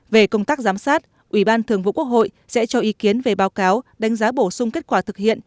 về công tác giám sát ủy ban thường vụ quốc hội sẽ cho ý kiến về báo cáo đánh giá bổ sung kết quả thực hiện